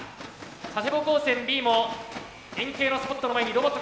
佐世保高専Ｂも円形のスポットの前にロボットが出てきた。